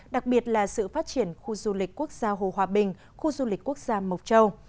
đặc biệt là sự phát triển khu du lịch quốc gia hồ hòa bình khu du lịch quốc gia mộc châu